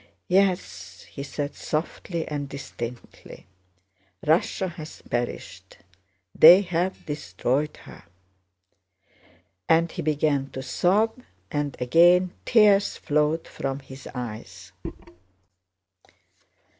"Yes," he said, softly and distinctly. "Russia has perished. They've destroyed her." And he began to sob, and again tears flowed from his eyes.